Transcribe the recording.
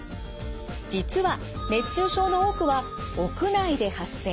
実は熱中症の多くは屋内で発生。